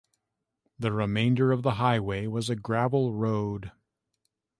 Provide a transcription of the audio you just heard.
The remainder of the highway was a gravel road.